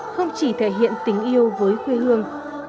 không chỉ thể hiện tình yêu với quê hương